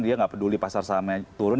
dia nggak peduli pasar sahamnya turun